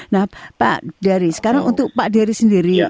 nah pak dari sekarang untuk pak dari sendiri